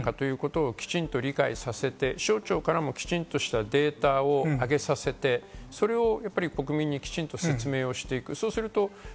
省庁にも何のためにこれをやってるのかということをきちんと理解させて、省庁からもきちんとしたデータをあげさせて、それを国民にきちんと説明していく。